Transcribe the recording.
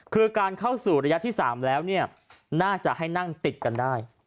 คือการเข้าสู่ระยะที่๓แล้วน่าจะให้นั่งติดกันได้